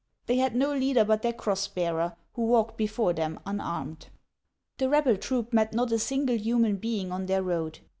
They had no leader but their cross bearer, who walked before them unarmed. The rebel troop met not a single human being on their road.